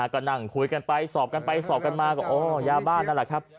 ก็นั่งคุยกันไปสอบกันไปสอบกันมาก็อ๋อยาบ้านนั่นแหละครับ